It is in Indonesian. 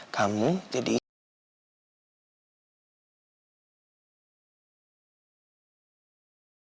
kamu jadi ikut acara